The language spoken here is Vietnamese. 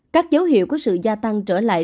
các dấu hiệu của sự gia tăng trở lại